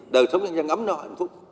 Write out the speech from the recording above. đời sống nhân dân ấm nọ hạnh phúc